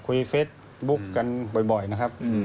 เฟซบุ๊กกันบ่อยนะครับ